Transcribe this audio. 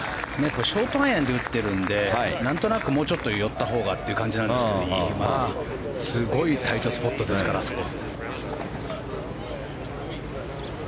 ショートアイアンで打ってるので何となく、もうちょっと寄ったほうがって感じですけどすごいタイトスポットですからあそこ。